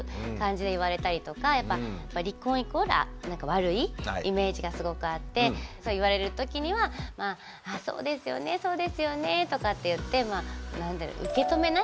やっぱ離婚イコール悪いイメージがすごくあってそう言われるときには「そうですよねそうですよね」とかって言って受け止めない。